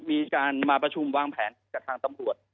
มีการมาประชุมวางแผนกับทางตำรวจ